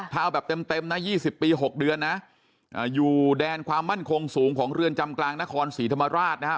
เท่าแบบเต็มเต็มนะยี่สิบปีหกเดือนนะอ่าอยู่แดนความมั่นคงสูงของเรือนจำกลางนครสีธรรมราชนะครับ